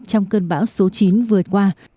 trong cơn bão số chín vừa qua